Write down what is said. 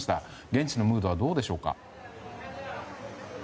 現地のムードはどうでしょうか？